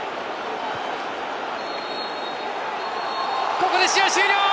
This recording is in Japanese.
ここで試合終了！